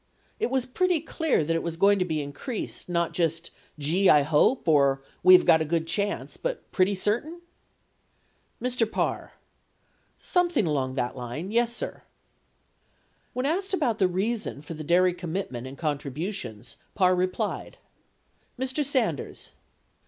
It was pretty clear that it was going to be in creased, not just, "gee, I hope, or we have got a good chance," but pretty certain ? Mr. Parr. Something along that line. Yes sir. 6 When asked about the reason for the dairy commitment and contribu tions, Parr replied : Mr. Sanders.